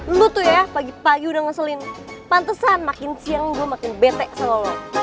lu tuh ya pagi pagi udah ngeselin pantesan makin siang gua makin bete sama lu